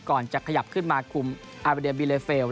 ก่อนจะขยับขึ้นมาคุมอาร์เวอร์เดอร์บิเลเฟล